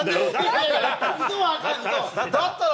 だったら。